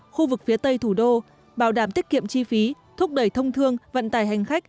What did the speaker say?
khu vực phía tây thủ đô bảo đảm tiết kiệm chi phí thúc đẩy thông thương vận tải hành khách